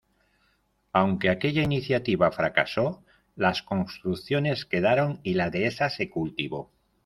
Aunque aquella iniciativa fracasó, las construcciones quedaron y la dehesa se cultivó.